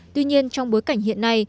tuy nhiên trong bối cảnh hiện nay